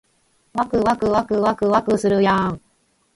わくわくわくわくわくするやーん